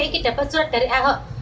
riki dapat surat dari ahok